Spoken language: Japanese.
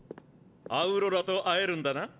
アウロラと会えるんだな？